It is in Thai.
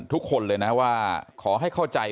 ทุกคนเลยนะว่าขอให้เข้าใจ